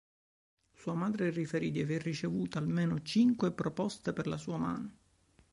Sua madre riferì di aver ricevuto almeno cinque proposte per la sua mano.